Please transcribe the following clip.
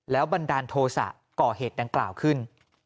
บันดาลโทษะก่อเหตุดังกล่าวขึ้น